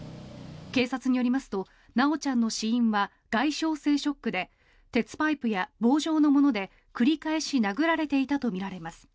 警察によりますと修ちゃんの死因は外傷性ショックで鉄パイプや棒状のもので繰り返し殴られていたとみられます。